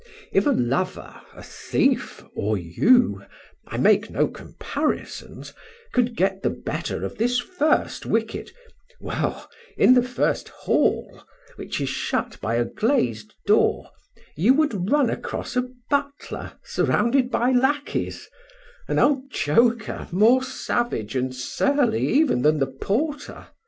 If a lover, a thief, or you I make no comparisons could get the better of this first wicket, well, in the first hall, which is shut by a glazed door, you would run across a butler surrounded by lackeys, an old joker more savage and surly even than the porter.